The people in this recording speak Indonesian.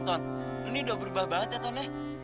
lu ini udah berubah banget ya ton